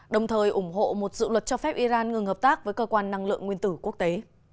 đồng thời ủng hộ một dự luật cho phép iran ngừng hợp tác với cơ quan năng lượng nguyên tử quốc tế